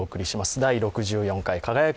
「第６４回輝く！